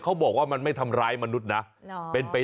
ถ้ามันอยู่ในน้ำมันคงกินปลา